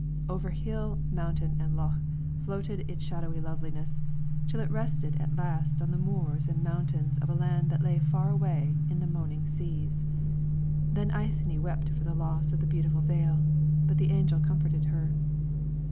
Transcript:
Over hill, mountain, and lough floated its shadowy loveliness, till it rested at last on the moors and mountains of a land that lay far away in the moaning seas. Then Eithne wept for the loss of the beautiful veil, but the angel comforted her.